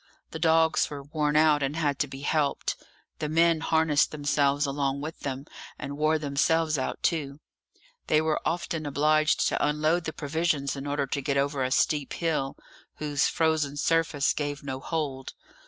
The dogs were worn out, and had to be helped; the men harnessed themselves along with them, and wore themselves out too. They were often obliged to unload the provisions in order to get over a steep hill, whose frozen surface gave no hold.